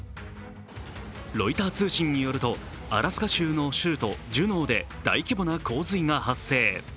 ロイター通信によるとアラスカ州の州都ジュノーで大規模な洪水が発生。